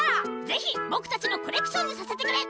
ぜひぼくたちのコレクションにさせてくれ！